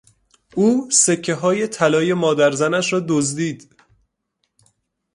او سکههای طلای مادرزنش را دزدید.